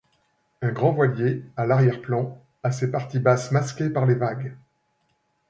Un grand voilier, à l'arrière-plan, a ses parties basses masquées par les vagues.